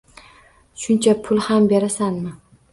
Shuncha pul ham berasanmi